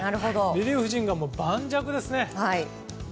リリーフ陣が盤石ですね。